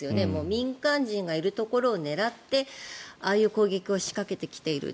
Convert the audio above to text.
民間人がいるところを狙ってああいう攻撃を仕掛けてきている。